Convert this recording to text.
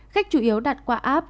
khách chủ yếu đặt qua app